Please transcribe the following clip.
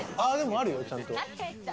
あるよ、ちゃんと。